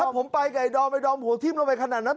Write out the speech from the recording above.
ผมไปกับไอดอมไอ้ดอมหัวทิ้มลงไปขนาดนั้น